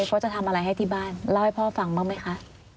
เขาจะทำอะไรให้ที่บ้านเล่าให้พ่อฟังบ้างไหมคะ